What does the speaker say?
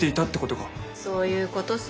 そういうことさ。